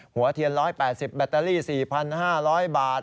หัวเทียน๑๘๐แบตเตอรี่๔๕๐๐บาท